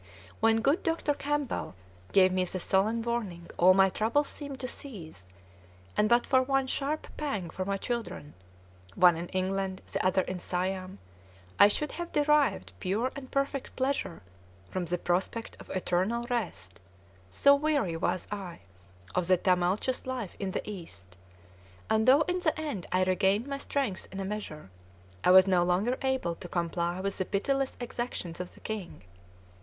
When good Dr. Campbell gave me the solemn warning all my trouble seemed to cease, and but for one sharp pang for my children, one in England, the other in Siam, I should have derived pure and perfect pleasure from the prospect of eternal rest, so weary was I of my tumultuous life in the East; and though in the end I regained my strength in a measure, I was no longer able to comply with the pitiless exactions of the king.